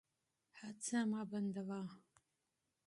هڅه مه بندوه.